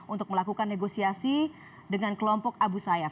untuk melakukan negosiasi dengan kelompok abu sayyaf